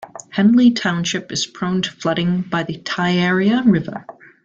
Henley township is prone to flooding by the Taieri River.